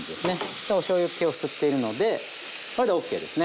じゃあおしょうゆっけを吸っているのでこれでＯＫですね。